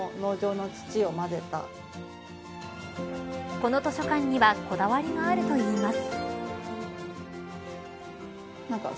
この図書館にはこだわりがあるといいます。